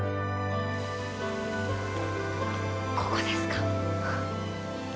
ここですか？